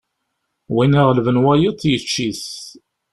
Win iɣelben wayeḍ, yečč-it!